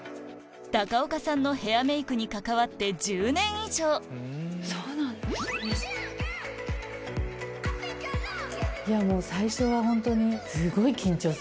高岡さんのヘアメイクに関わって１０年以上最初は本当に。